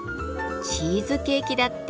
チーズケーキだって